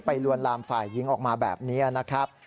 ลวนลามฝ่ายหญิงออกมาแบบนี้นะครับ